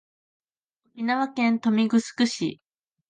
沖縄県豊見城市